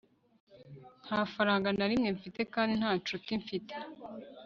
nta faranga na rimwe mfite kandi nta ncuti mfite